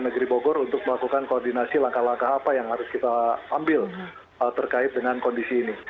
negeri bogor untuk melakukan koordinasi langkah langkah apa yang harus kita ambil terkait dengan kondisi ini